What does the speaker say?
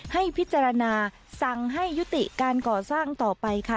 ให้พิจารณาสั่งให้ยุติการก่อสร้างต่อไปค่ะ